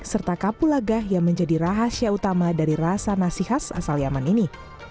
serta kapulagah yang menjadi rahasia utama dari rasa nasi khas asal yemen ini